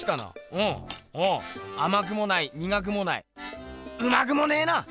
うんおおあまくもないにがくもないうまくもねえな！